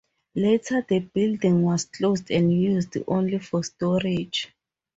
Later the building was closed and used only for storage.